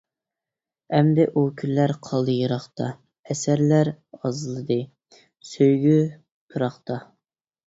ئەمدى ئۇ كۈنلەر قالدى يىراقتا، ئەسەرلەر ئازلىدى، سۆيگۈ پىراقتا.